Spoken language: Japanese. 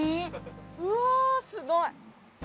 うわあすごい！